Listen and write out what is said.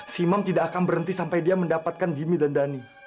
si imam tidak akan berhenti sampai dia mendapatkan jimmy dan dani